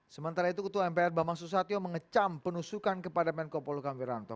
sementara itu ketua mpr bambang susatyo mengecam penusukan kepada menko polukam wiranto